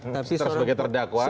stres sebagai terdakwa